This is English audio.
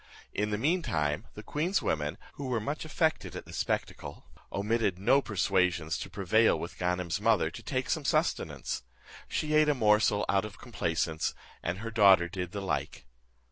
In the mean time the queen's women, who were much affected at the spectacle, omitted no persuasions to prevail with Ganem's mother to take some sustenance. She ate a morsel out of complaisance, and her daughter did the like.